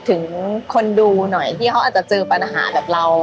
ถึงคนดูหน่อยที่เขาอาจจะเจอปัญหาแบบเรา